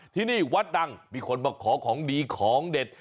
ที่นี่วัดดังมีคนมาขอของดีของเด็ด